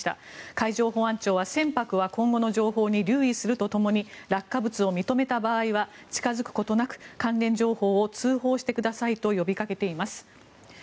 海上保安庁は船舶は今後の情報に留意するとともに落下物を認めた場合は近付くことなく関連情報を通報してくださいと呼びかけています。